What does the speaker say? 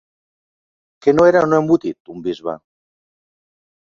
Que no era un embotit, un bisbe?